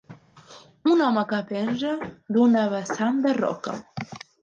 Un home que penja d'una vessant de roca.